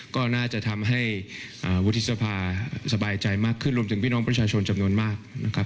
ก็น่าจะทำให้วุฒิสภาสบายใจมากขึ้นรวมถึงพี่น้องประชาชนจำนวนมากนะครับ